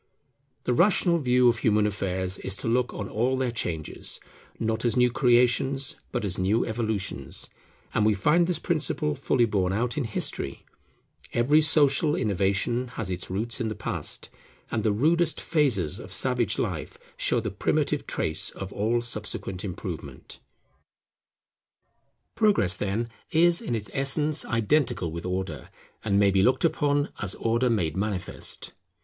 The rational view of human affairs is to look on all their changes, not as new Creations, but as new Evolutions. And we find this principle fully borne out in history. Every social innovation has its roots in the past; and the rudest phases of savage life show the primitive trace of all subsequent improvement. [Analysis of Progress: material, physical, intellectual, and moral] Progress then is in its essence identical with Order, and may be looked upon as Order made manifest.